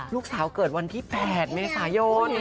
ลูกสาวเกิดวันที่๘เมษายน